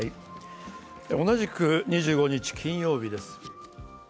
同じく２５日金曜日です。